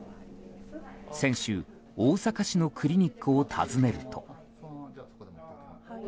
先週、大阪市のクリニックを訪ねると。